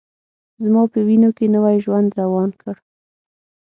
زما په وینوکې نوی ژوند روان کړ